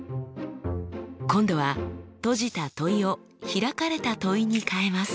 今度は閉じた問いを開かれた問いに変えます。